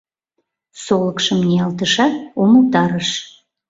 Солыкшым ниялтышат, умылтарыш: